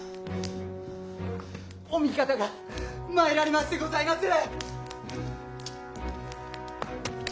お味方が参られましてございまする！